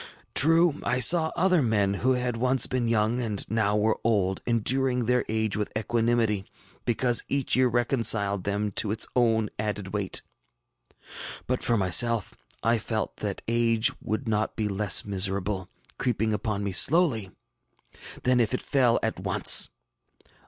True, I saw other men, who had once been young and now were old, enduring their age with equanimity, because each year reconciled them to its own added weight. But for myself, I felt that age would be not less miserable, creeping upon me slowly, than if it fell at once.